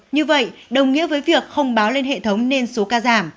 như vậy đồng nghĩa với việc không báo lên hệ thống nên số ca giảm